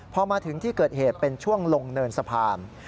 พอมาถึงที่เกิดเหตุเป็นช่วงลงเนินสะพาน